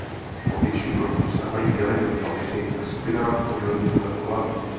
Po většinu roku zůstávají jeleni Wapiti ve skupinách oddělených podle pohlaví.